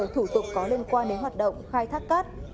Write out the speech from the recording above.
thủ tục có liên quan đến hoạt động khai thác cát